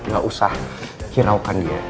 gak usah hiraukan dia